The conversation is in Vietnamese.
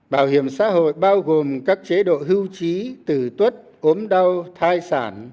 bảo hiểm xã hội bao gồm các chế độ hưu trí tử tuất ốm đau thai sản